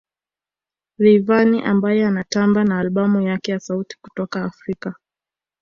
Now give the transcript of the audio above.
Rayvanny ambaye anatamba na albamu yake ya sauti kutoka Afrika